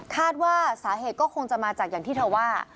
คาดว่าสาเหตุก็คงจะมาจากอย่างที่เธอว่า